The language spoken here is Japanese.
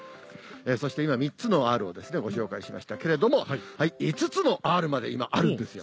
そして今「３つのＲ」をご紹介しましたけれども「５つのＲ」まで今あるんですよ。